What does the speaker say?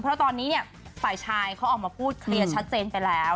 เพราะตอนนี้เนี่ยฝ่ายชายเขาออกมาพูดเคลียร์ชัดเจนไปแล้ว